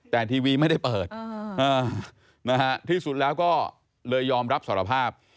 แต่ทีวีไม่ได้เปิดที่สุดแล้วก็เลยยอมรับสารภาพ